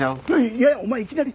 いやお前いきなり。